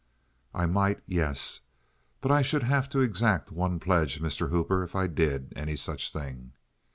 "I might, yes. But I should have to exact one pledge, Mr. Hooper, if I did any such thing."